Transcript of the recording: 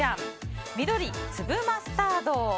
緑、粒マスタード。